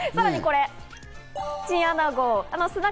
さらにこれ、チンアナゴ。